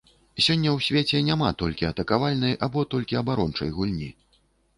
Сёння ў свеце няма толькі атакавальнай або толькі абарончай гульні.